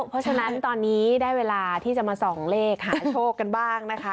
เพราะฉะนั้นตอนนี้ได้เวลาที่จะมาส่องเลขหาโชคกันบ้างนะคะ